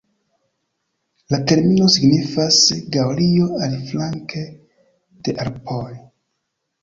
La termino signifas "Gaŭlio aliflanke de Alpoj".